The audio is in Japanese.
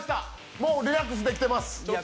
もうリラックスできてます。